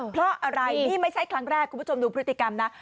เพราะอะไรนี่ไม่ใช่ครั้งแรกคุณผู้ชมดูพฤติกรรมนะ